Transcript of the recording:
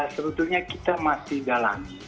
sebetulnya kita masih dalam